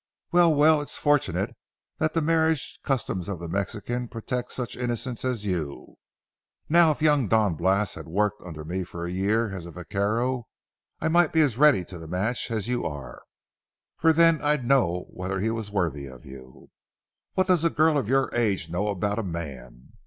Well, well, it's fortunate that the marriage customs of the Mexicans protect such innocents as you. Now, if young Don Blas had worked under me for a year as a vaquero, I might be as ready to the match as you are; for then I'd know whether he was worthy of you. What does a girl of your age know about a man?